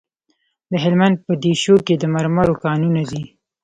د هلمند په دیشو کې د مرمرو کانونه دي.